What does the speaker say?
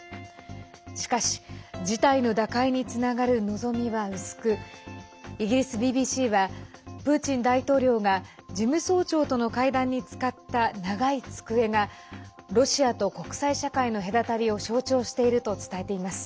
しかし、事態の打開につながる望みは薄くイギリスＢＢＣはプーチン大統領が事務総長との会談に使った長い机がロシアと国際社会の隔たりを象徴していると伝えています。